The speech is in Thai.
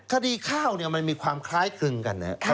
คดีข้าวมันมีความคล้ายคลึงกันนะครับ